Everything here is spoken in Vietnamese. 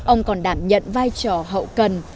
ông còn đảm nhận vai trò hậu cần